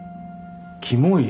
キモい？